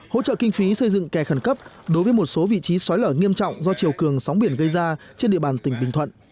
hỗ trợ kinh phí xây dựng kè khẩn cấp đối với một số vị trí sói lở nghiêm trọng do chiều cường sóng biển gây ra trên địa bàn tỉnh bình thuận